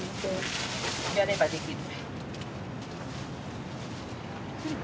やればできる。